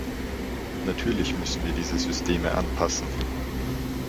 Natürlich müssen wir diese Systeme anpassen.